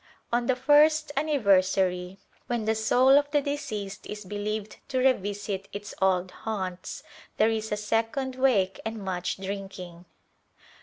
On the first anniversary, when the soul of the deceased is believed to revisit its old haunts, there is a second wake and much drinking.